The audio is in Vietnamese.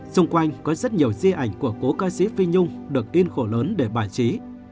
xung quanh có rất nhiều di ảnh của cố ca sĩ phi nhung được in khổ lớn để bài trí